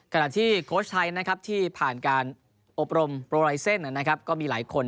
ขณะที่โค้ชไทยนะครับที่ผ่านการอบรมโปรไลเซ็นต์ก็มีหลายคน